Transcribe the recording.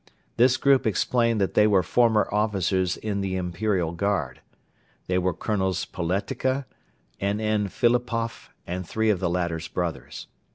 This group explained that they were former officers in the Imperial Guard. They were Colonels Poletika, N. N. Philipoff and three of the latter's brothers.